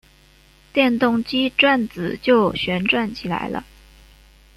电动机转子就旋转起来了。